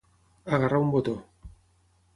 Agarrar un botó.